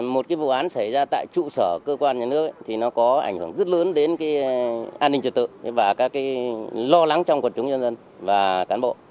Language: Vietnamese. một cái vụ án xảy ra tại trụ sở cơ quan nhà nước thì nó có ảnh hưởng rất lớn đến an ninh trật tự và các cái lo lắng trong quần chúng nhân dân và cán bộ